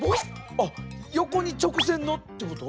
あっ横に直線のってこと？